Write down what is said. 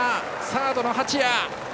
サードの八谷。